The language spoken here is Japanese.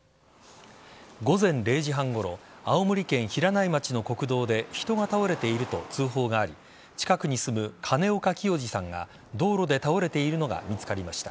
午前０時半ごろ青森県平内町の国道で人が倒れていると通報があり近くに住む兼岡清治さんが道路で倒れているのが見つかりました。